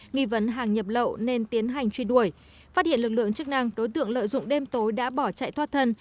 nghi vấn hàng nhập lậu nên tiến hành truy đuổi phát hiện lực lượng chức năng đối tượng lợi dụng đêm tối đã bỏ chạy thoát thân